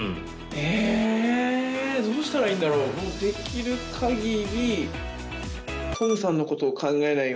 えぇどうしたらいいんだろう？できる限り。